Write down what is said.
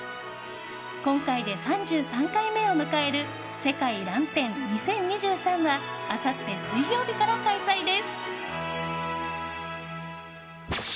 今回で３３回目を迎える世界らん展２０２３はあさって水曜日から開催です。